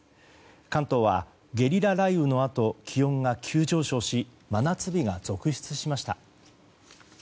関東はゲリラ雷雨のあと気温が急上昇し真夏日が続出しました。